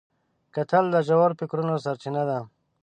کتل د ژور فکرونو سرچینه ده